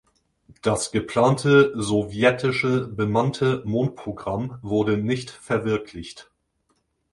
Das geplante sowjetische bemannte Mondprogramm wurde nicht verwirklicht.